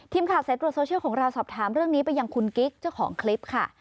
ทีมข่าวสายตรวจโซเชียลของเราสอบถามเรื่องนี้ไปยังคุณกิ๊กเจ้าของคลิปค่ะ